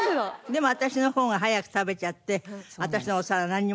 でも私の方が早く食べちゃって私のお皿なんにもないの。